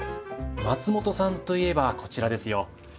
松本さんといえばこちらですよ。